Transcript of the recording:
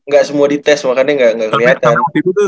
gak semua dites makanya gak keliatan